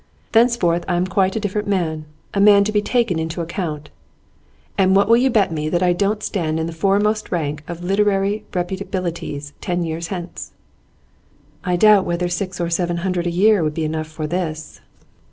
Thenceforth I am quite a different man, a man to be taken into account. And what will you bet me that I don't stand in the foremost rank of literary reputabilities ten years hence?' 'I doubt whether six or seven hundred a year will be enough for this.